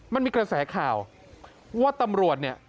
มันมีกระแสข่าวว่าตำรวจเนี่ย